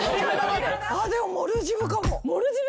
でもモルジブかも。